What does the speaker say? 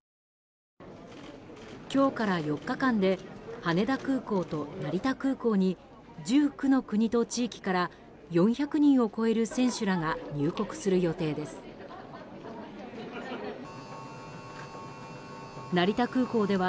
今日から４日間で羽田空港と成田空港に１９の国と地域から４００人を超える選手らが入国する予定です。